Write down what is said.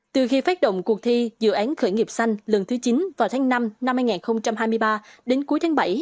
từ khi phát động cuộc thi dự án khởi nghiệp xanh lần thứ chín vào tháng năm đến cuối tháng bảy